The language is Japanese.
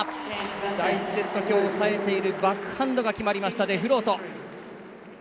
第１セット、今日さえているバックハンドが決まりました